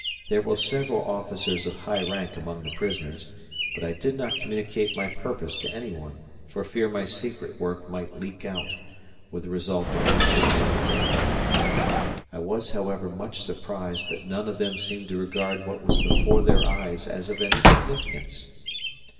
There were several officers of high rank among the prisoners, but I did not communicate my purpose to any one, for fear my secret work might leak out, with the result that we should be detained. I was, however, much surprised that none of them seemed to regard what was before their eyes as of any significance.